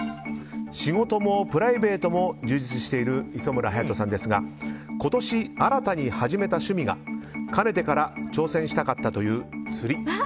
仕事もプライベートも充実している磯村勇斗さんですが今年、新たに始めた趣味がかねてから挑戦したかったという釣り。